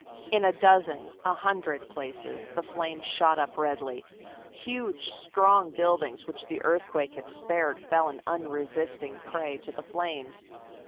In a dozen, a hundred, places the flames shot up redly. Huge, strong buildings which the earthquake had spared fell an unresisting prey to the flames.